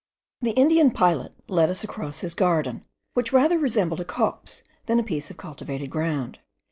The Indian pilot led us across his garden, which rather resembled a copse than a piece of cultivated ground.